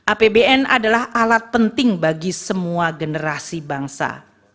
apbn adalah alat penting bagi semua generasi bangsa